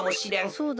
そうだね。